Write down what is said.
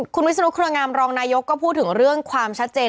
คุณวิศนุเครืองามรองนายกก็พูดถึงเรื่องความชัดเจน